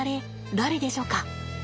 誰でしょか？